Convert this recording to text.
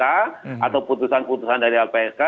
atau putusan putusan dari lpsk